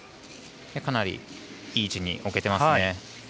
かなりいい位置に置けてますね。